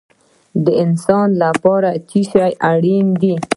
د انسان لپاره څه شی اړین دی؟